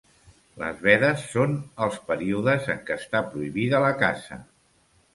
Les vedes són els períodes en què està prohibida la caça.